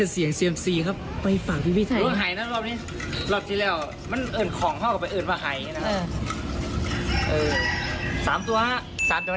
เสี่ยงซีมซีนะครับขออีกสัก๒ตัวครับนี่เสี่ยงซี๒ตัว